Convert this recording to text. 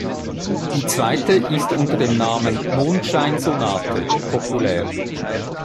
Die zweite ist unter dem Namen „Mondscheinsonate“ populär.